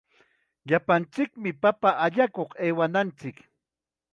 Llapanchikmi papa allakuq aywananchik.